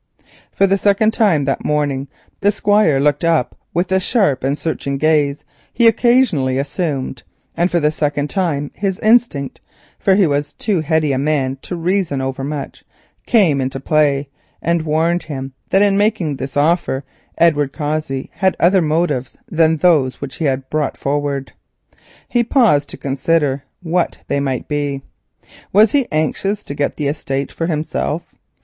For the second time that morning the Squire looked up with the sharp and searching gaze he occasionally assumed, and for the second time his instinct, for he was too heady a man to reason overmuch, came into play and warned him that in making this offer Edward Cossey had other motives than those which he had brought forward. He paused to consider what they might be. Was he anxious to get the estate for himself?